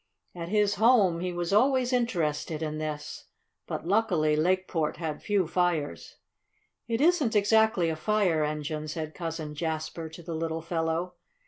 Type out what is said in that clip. At his home he was always interested in this, but, luckily, Lakeport had few fires. "It isn't exactly a fire engine," said Cousin Jasper to the little fellow.